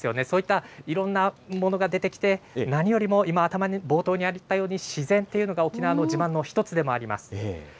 そういったいろんなものが出てきて、何よりも今、頭に、冒頭にあったように自然っていうのが沖縄の自慢の一つでもあります。